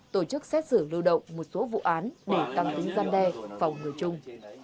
tổ chức xét xử lưu động một số vụ án để tăng tính gian đe phòng ngừa chung